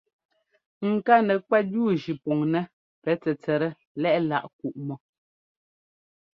Ŋká nɛkwɛt yúujʉ pɔŋnɛ́ pɛ tsɛtsɛt lɛ́ꞌláꞌ kuꞌmɔ.